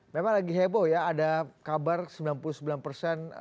memang lagi heboh ya ada kabar sembilan puluh sembilan persen